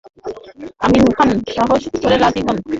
আমিন খান সাহস করে রাজি হন।